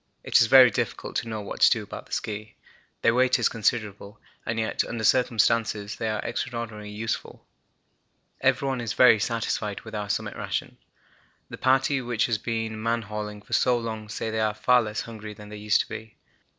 It is very difficult to know what to do about the ski; their weight is considerable and yet under certain circumstances they are extraordinarily useful. Everyone is very satisfied with our summit ration. The party which has been man hauling for so long say they are far less hungry than they used to be.